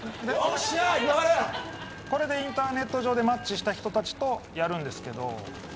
これでインターネット上でマッチした人たちとやります。